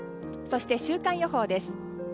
そして、週間予報です。